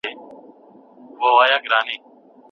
هغه څوک چې دا حق د ستونزې په نوم یادوي،